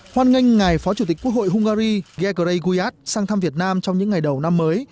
hoan nghênh ngày phó chủ tịch quốc hội hungary gergely guias sang thăm việt nam trong những ngày đầu năm mới